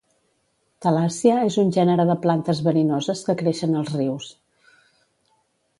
Thalassia és un gènere de plantes verinoses que creixen als rius.